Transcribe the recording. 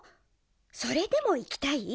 それでもいきたい？